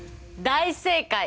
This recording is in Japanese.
大正解！